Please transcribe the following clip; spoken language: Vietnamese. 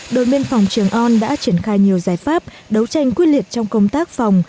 đội biên phòng trường on đã triển khai nhiều giải pháp đấu tranh quyết liệt trong công tác phòng